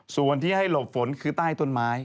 ส่วนที่ให้หลบฝนคือใต้ต้นไม้